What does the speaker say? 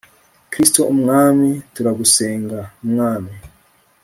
kristu mwami turagusenga, mwami